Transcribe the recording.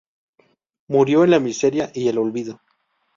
Murió en la miseria y el olvido.